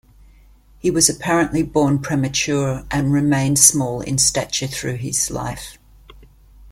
He was apparently born premature and remained small in stature through his life.